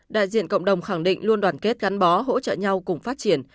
đại diện cộng đồng khẳng định luôn đoàn kết gắn bó hỗ trợ nhau cùng phát triển